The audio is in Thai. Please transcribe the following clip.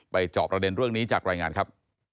จอบประเด็นเรื่องนี้จากรายงานครับ